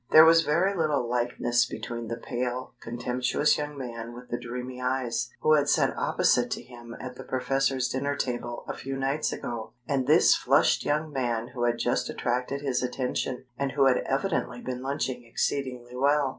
There was very little likeness between the pale, contemptuous young man with the dreamy eyes, who had sat opposite to him at the professor's dinner table a few nights ago, and this flushed young man who had just attracted his attention, and who had evidently been lunching exceedingly well.